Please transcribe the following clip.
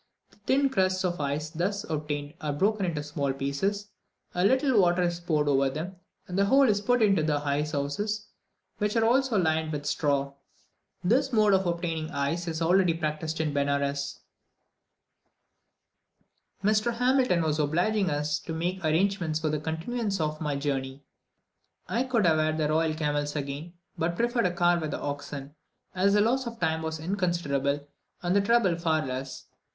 The thin crusts of ice thus obtained are broken into small pieces, a little water is poured over them, and the whole is put into the ice houses, which are also lined with straw. This mode of obtaining ice is already practised in Benares. Mr. Hamilton was so obliging as to make the arrangements for the continuance of my journey. I could have had the royal camels again, but preferred a car with oxen, as the loss of time was inconsiderable, and the trouble far less. Mr.